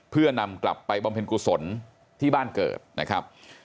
เพื่อนำกลับไปบำเพ็ญกุศลที่บ้านเกิดนะครับ